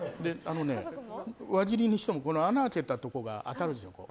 輪切りにしても穴開けたところが当たるでしょ。